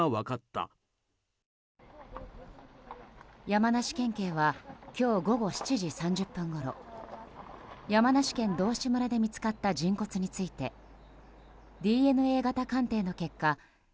山梨県警は今日午後７時３０分ごろ山梨県道志村で見つかった人骨についてＤＮＡ型鑑定の結果